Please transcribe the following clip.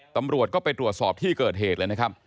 ตำรวจก็ไปตรวจสอบที่เกิดเหตุเลยนะครับ